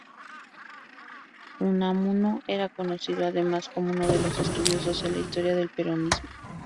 Unamuno era conocido además como uno de los estudiosos de la historia del peronismo.